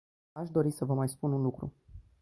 Aș dori să mai spun un lucru.